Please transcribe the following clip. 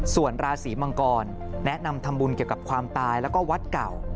ส่วนราศีมังกรแนะนำทำบุญเกี่ยวกับความตายแล้วก็วัดเก่า